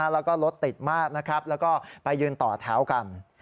แล้วก็รถติดมากนะครับแล้วก็ไปยืนต่อแถวกัน